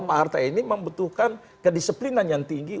paharta ini membutuhkan kedisiplinan yang tinggi